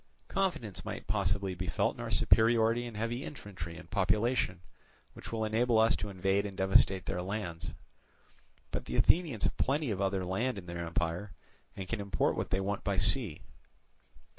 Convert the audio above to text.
Confidence might possibly be felt in our superiority in heavy infantry and population, which will enable us to invade and devastate their lands. But the Athenians have plenty of other land in their empire, and can import what they want by sea.